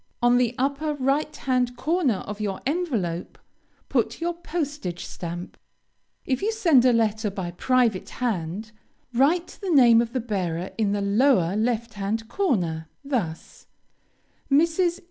On the upper right hand corner of your envelope, put your postage stamp. If you send a letter by private hand, write the name of the bearer in the lower left hand corner, thus: MRS.